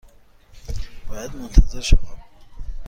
باید منتظر شوم؟